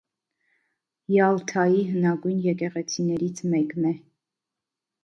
Յալթայի հնագույն եկեղեցիներից մեկն է։